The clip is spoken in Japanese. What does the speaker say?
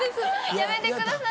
やめてください。